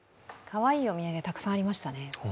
かわいいお土産たくさんありましたね。